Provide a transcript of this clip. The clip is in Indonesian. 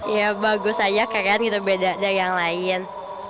ya bagus aja kayaknya beda dari yang lain